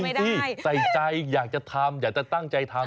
ที่ใส่ใจอยากจะทำอยากจะตั้งใจทำ